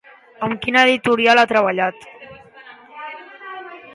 Amb quina editorial ha treballat?